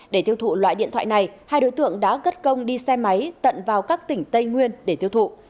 để thiêu thụ loại điện thoại này hai đối tượng đã gất công đi xe máy tận vào các tỉnh tây nguyên để thiêu thụ